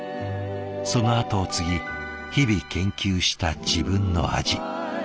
そのあとを継ぎ日々研究した自分の味。